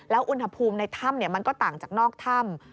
อุณหภูมิในถ้ำมันก็ต่างจากนอกถ้ำ